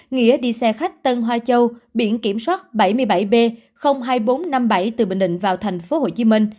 nghĩa đi xe khách tân hoa châu biển kiểm soát bảy mươi bảy b hai nghìn bốn trăm năm mươi bảy từ bình định vào tp hcm